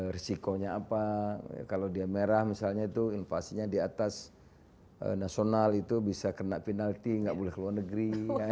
risikonya apa kalau dia merah misalnya itu invasinya di atas nasional itu bisa kena penalti nggak boleh ke luar negeri